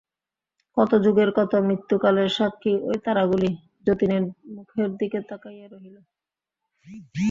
কত যুগের কত মৃত্যুকালের সাক্ষী ঐ তারাগুলি যতীনের মুখের দিকে তাকাইয়া রহিল।